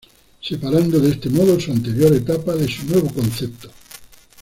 Separando de este modo su anterior etapa de su nuevo concepto.